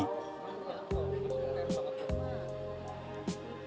anik bersyukur penyintas kanker ini tidak pernah berhenti